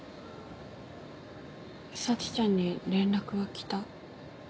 沙智ちゃんに連絡は来た？